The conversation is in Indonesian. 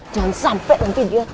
jangan sampe nanti dia